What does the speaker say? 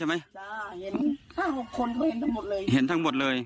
บ้าน